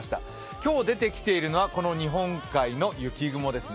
今日出てきているのは日本海の雪雲ですね。